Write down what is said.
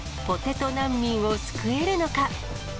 ポテト難民を救えるのか。